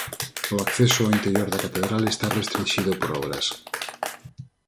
O acceso ao interior da catedral está restrinxido por obras.